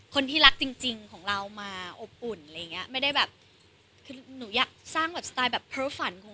คนที่รักจริงของเรามาอบอุ่นไม่ได้แบบหนูอยากสร้างสไตล์แบบเพิร์ฟฝันของหนู